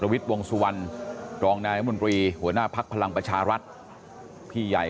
วิทย์วงสุวรรณรองนายรัฐมนตรีหัวหน้าภักดิ์พลังประชารัฐพี่ใหญ่